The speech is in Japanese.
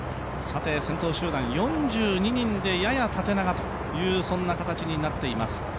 先頭集団、４２人でやや縦長という形になっています。